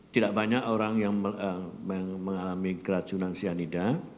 tidak banyak orang yang mengalami keracunan cyanida